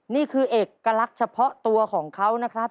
นี่คือเอกลักษณ์เฉพาะตัวของเขานะครับ